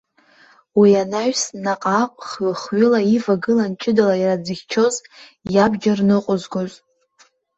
Уи анаҩс наҟ-ааҟ хҩы-хҩыла ивагылан ҷыдала иара дзыхьчоз, иабџьар ныҟәызгоз.